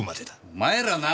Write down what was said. お前らなあ！